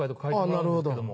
なるほど。